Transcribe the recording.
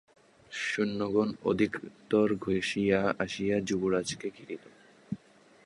সৈন্যগণ অধিকতর ঘেঁষিয়া আসিয়া যুবরাজকে ঘিরিল।